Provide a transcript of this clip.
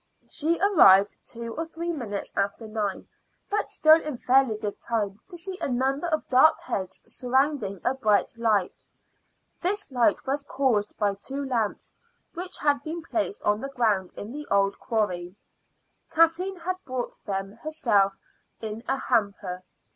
She arrived two or three minutes after nine, but still in fairly good time to see a number of dark heads surrounding a bright light. This light was caused by two lamps which had been placed on the ground in the old quarry; Kathleen had brought them herself in a hamper.